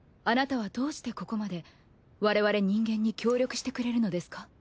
あなたはどうしてここまで我々人間に協力してくれるのですか？